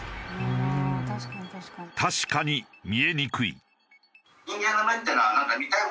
確かに見えにくい。